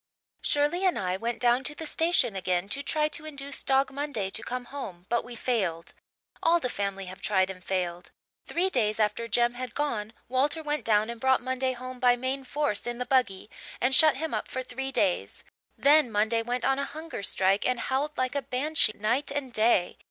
"Shirley and I went down to the station again to try to induce Dog Monday to come home but we failed. All the family have tried and failed. Three days after Jem had gone Walter went down and brought Monday home by main force in the buggy and shut him up for three days. Then Monday went on a hunger strike and howled like a Banshee night and day.